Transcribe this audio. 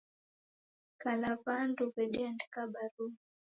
Kala w'andu w'edeandika barua